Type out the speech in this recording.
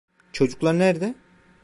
Çocuklar nerede?